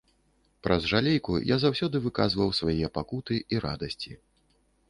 Праз жалейку я заўсёды выказваў свае пакуты і радасці.